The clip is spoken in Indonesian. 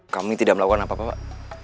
kami tidak melakukan apa apa pak